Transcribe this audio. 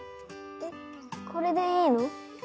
えっこれでいいの？